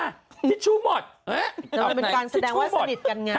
ทิชชูหมดเอ๊ะออกไหนทิชชูหมดแต่มันเป็นการแสดงว่าสนิทกันไง